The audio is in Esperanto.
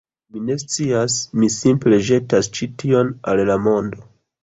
Mi ne scias, mi simple ĵetas ĉi tion al la mondo